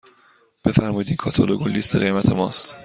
بفرمایید این کاتالوگ و لیست قیمت ماست.